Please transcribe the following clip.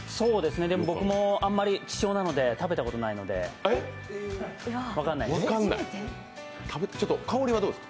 僕も希少なので食べたことないので分からないです。